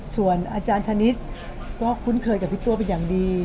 ส่วนอาจารย์ธนิษฐ์ก็คุ้นเคยกับพี่ตัวเป็นอย่างดี